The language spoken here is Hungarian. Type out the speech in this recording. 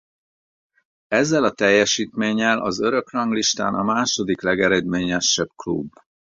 Ezzel a teljesítménnyel az örökranglistán a második legeredményesebb klub.